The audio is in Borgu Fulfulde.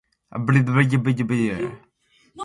Himɓe genni e faajo e fageere makko.